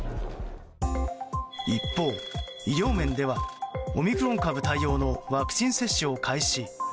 一方、医療面ではオミクロン株対応のワクチン接種を開始。